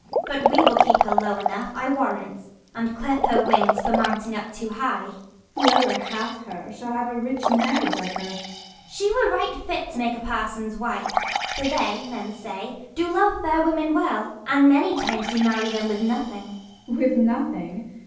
Ragan. But we will keep her low enough, I warrant, And clip her wings for mounting up too high. Gon. Who ever hath, her, shall have a rich marriage of her. Ragan. She were right fit to make a parson's wife : 20 Sc. in] HIS THREE DAUGHTERS 21 For they, men say, do love fair women well, And many times do marry them with nothing. j. Gon. With nothing!